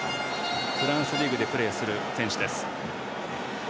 フランスリーグでプレーする選手です。